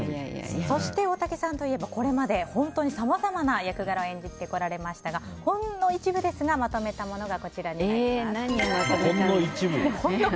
そして、大竹さんといえばこれまで本当にさまざまな役柄を演じてこられましたがほんの一部ですがまとめたものがこちらになります。